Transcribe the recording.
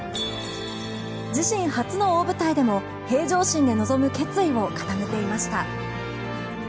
自身初の大舞台でも平常心で臨む思いを固めていました。